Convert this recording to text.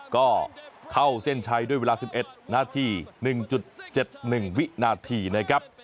ก็เข้าเส้นชัยด้วยเวลา๑๑นาที๑๗๑วินาทีนะครับ